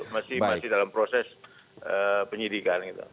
masih dalam proses penyidikan gitu